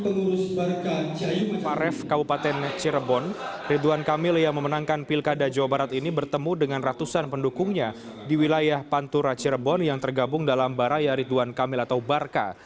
di paref kabupaten cirebon ridwan kamil yang memenangkan pilkada jawa barat ini bertemu dengan ratusan pendukungnya di wilayah pantura cirebon yang tergabung dalam baraya ridwan kamil atau barka